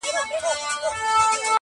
دا به څوک وي چي ستا مخي ته درېږي،